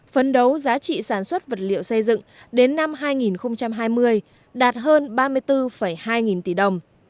phấn đấu giá trị sản xuất vật liệu xây dựng đến năm hai nghìn hai mươi đạt hơn ba mươi bốn hai nghìn tỷ đồng